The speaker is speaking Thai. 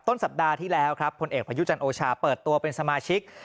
สัปดาห์ที่แล้วครับผลเอกประยุจันทร์โอชาเปิดตัวเป็นสมาชิก